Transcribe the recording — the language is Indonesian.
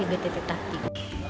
kita dorong di btt taktik